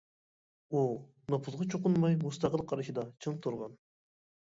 ئۇ، نوپۇزغا چوقۇنماي، مۇستەقىل قارىشىدا چىڭ تۇرغان.